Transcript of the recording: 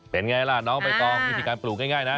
เป็นไงล่ะน้องใบตองวิธีการปลูกง่ายนะ